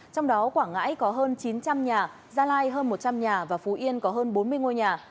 trong đó quảng ngãi có hơn chín trăm linh nhà gia lai hơn một trăm linh nhà và phú yên có hơn bốn mươi ngôi nhà